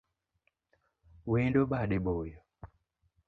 Wendo bade boyo